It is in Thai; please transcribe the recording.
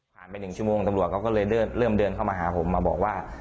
ไป๑ชั่วโมงตำรวจเขาก็เลยเริ่มเดินเข้ามาหาผมมาบอกว่า